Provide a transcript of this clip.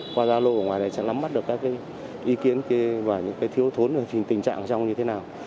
qua gia lô ở ngoài này sẽ lắm mắt được các ý kiến và những thiếu thốn tình trạng trong như thế nào